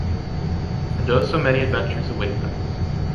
And oh so many adventures await them.